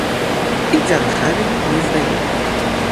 І дзяржаве не здае.